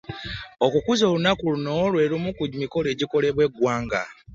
Okukuza olunaku luno gwe gumu ku mikolo egiteekateeka eggwanga.